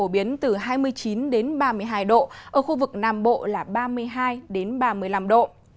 biến từ hai mươi chín đến ba mươi hai độ ở khu vực nam bộ là ba mươi hai ba mươi năm độ